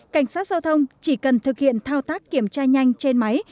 cảnh sát giao thông chỉ cần thực hiện thao tác kiểm tra nhanh trên máy